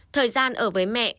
thời gian ở với mẹ